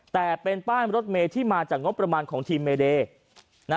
แต่เป็นป้ายรถเมย์ที่มาจากงบประมาณของทีมเมเดย์